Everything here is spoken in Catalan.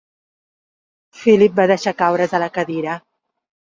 Philip va deixar caure's a la cadira.